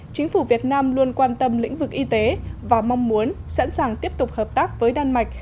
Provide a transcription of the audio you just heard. chính phủ việt nam luôn quan tâm lĩnh vực y tế và mong muốn sẵn sàng tiếp tục hợp tác với đan mạch